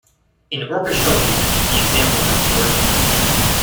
In orchestral music the examples are fewer.